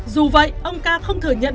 dù vậy ông ca không thừa nhận